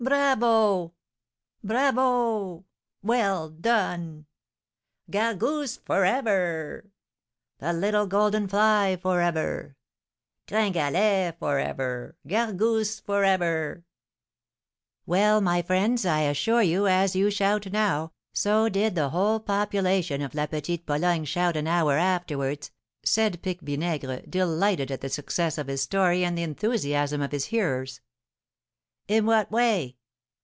"Bravo, bravo! Well done!" "Gargousse for ever!" "The little golden fly for ever!" "Gringalet for ever! Gargousse for ever!" "Well, my friends, I assure you, as you shout now, so did the whole population of La Petite Pologne shout an hour afterwards," said Pique Vinaigre, delighted at the success of his story and the enthusiasm of his hearers. "In what way?"